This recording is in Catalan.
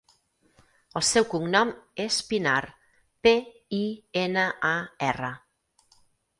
El seu cognom és Pinar: pe, i, ena, a, erra.